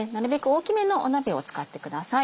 大きめの鍋を使ってください。